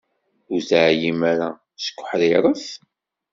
Ur teɛyim ara seg uḥṛiṛet?